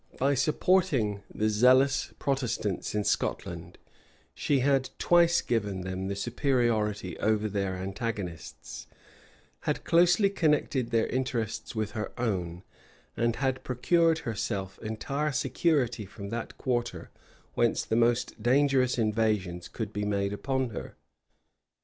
By supporting the zealous Protestants in Scotland, she had twice given them the superiority over their antagonists, had closely connected their interests with her own, and had procured herself entire security from that quarter whence the most dangerous invasions could be made upon her.